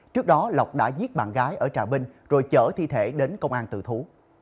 trước đó lọc đã giết bạn gái ở trà binh rồi chở thi thể đến công an tự thú